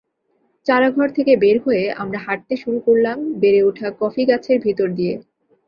চারাঘর থেকে বের হয়ে আমরা হাঁটতে শুরু করলাম বেড়ে ওঠা কফিগাছের ভেতর দিয়ে।